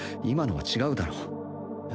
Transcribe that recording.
今のは違うだろ